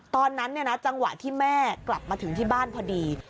ตอนนั้นเนี่ยนะจังหวะที่แม่กลับมาถึงที่บ้านพอดี